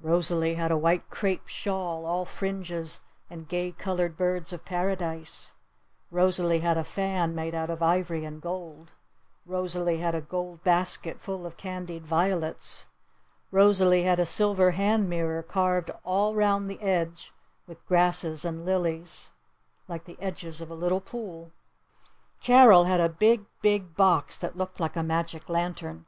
Rosalee had a white crêpe shawl all fringes and gay colored birds of paradise! Rosalee had a fan made out of ivory and gold. Rosalee had a gold basket full of candied violets. Rosalee had a silver hand mirror carved all round the edge with grasses and lilies like the edges of a little pool. Carol had a big, big box that looked like a magic lantern.